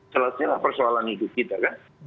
selesai lah persoalan itu kita kan